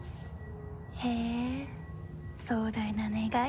へえ壮大な願い。